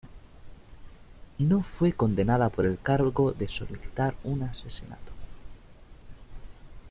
No fue condenada por el cargo de solicitar un asesinato.